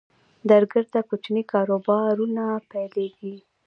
درګرده کوچني کاروبارونه پیلېږي